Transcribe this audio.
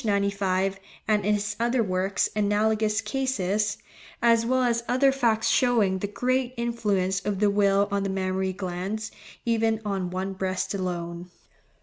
1852, p. 95, and in his other works analogous cases, as well as other facts showing the great influence of the will on the mammary glands, even on one breast alone.